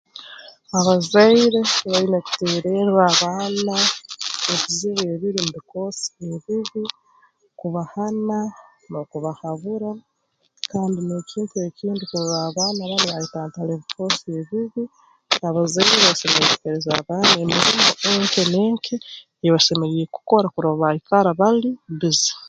Abazaire baine kuteererra abaana ebizibu ebiri mu bikoosi ebibi kubahana n'okubahabura kandi n'ekintu ekindi kurora abaana banu baayetantara ebikoosi ebibi abazaire basemeriire kuheereza emirimo enke n'enke ei basemeriire kukora kurora baikara bali bbize